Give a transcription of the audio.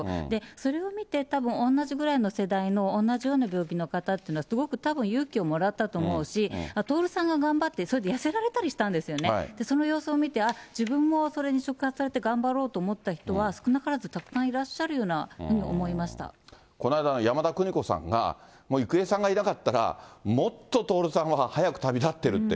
それを見て、たぶん、同じぐらいの世代の、同じような病気の方っていうのは、たぶんすごく勇気をもらったと思うし、徹さんが頑張って、それで痩せられたりしたんですよね、その様子を見て、自分もそれに触発されて頑張ろうと思った人は、少なからずたくさこの間、山田邦子さんが、もう郁恵さんがいなかったら、もっと徹さんは、早く旅立ってるって。